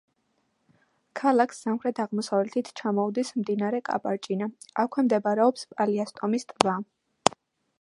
ქალაქს სამხრეთ-აღმოსავლეთით ჩამოუდის მდინარე კაპარჭინა, აქვე მდებარეობს პალიასტომის ტბა.